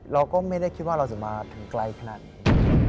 เราก็ไม่ได้คิดว่าเราจะมาถึงไกลขนาดนี้